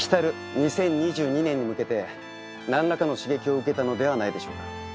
２０２２年に向けて何らかの刺激を受けたのではないでしょうか？